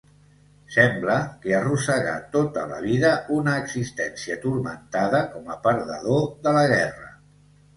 Sembla que arrossegà tota la vida una existència turmentada com a perdedor de la guerra.